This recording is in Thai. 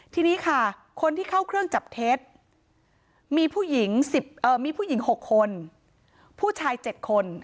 ทีนี้ค่ะคนที่เข้าเครื่องจับเท็จมีผู้หญิงมีผู้หญิง๖คนผู้ชาย๗คน